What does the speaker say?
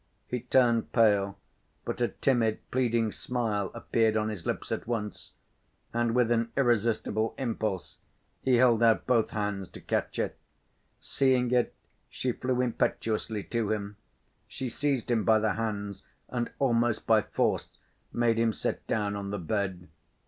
He turned pale, but a timid, pleading smile appeared on his lips at once, and with an irresistible impulse he held out both hands to Katya. Seeing it, she flew impetuously to him. She seized him by the hands, and almost by force made him sit down on the bed.